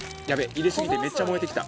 入れすぎてめっちゃ燃えてきた。